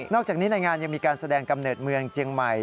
อกจากนี้ในงานยังมีการแสดงกำเนิดเมืองเจียงใหม่